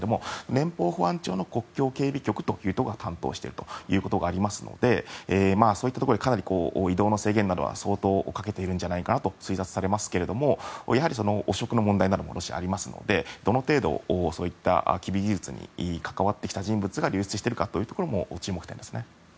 連邦保安庁の国境警備局というところが担当していますのでそういったところでかなり移動の制限などは相当かけているんじゃないかと推察されますけどやはり、汚職の問題などもロシアはありますのでどの程度そういったものに関わってきた人物が流出しているかというところも注目点ですね。